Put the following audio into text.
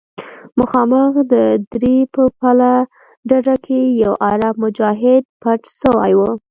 مخامخ د درې په بله ډډه کښې يو عرب مجاهد پټ سوى و.